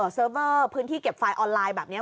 เซิร์ฟเวอร์พื้นที่เก็บไฟล์ออนไลน์แบบนี้